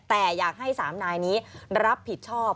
แต่อยากให้๓นายนี้รับผิดชอบ